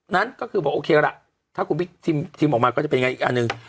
นั้นก็คือบอกโอเคแล้วล่ะถ้ากลุ่มทีมทีมออกมาก็จะเป็นยังไงอีกอันหนึ่ง